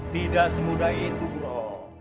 tidak semudah itu bro